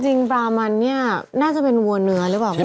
จริงไบมันนี่น่าจะเป็นวัวเนื้อแล้ว